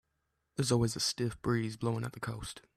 There's always a stiff breeze blowing at the coast.